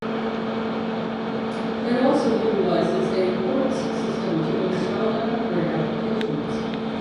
It also utilizes a ports system to install and upgrade applications.